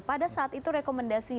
pada saat itu rekomendasi dari walhi